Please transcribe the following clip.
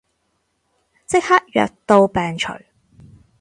即刻藥到病除